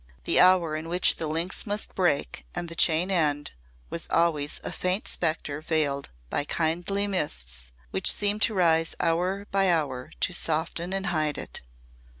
The hour in which the links must break and the chain end was always a faint spectre veiled by kindly mists which seemed to rise hour by hour to soften and hide it.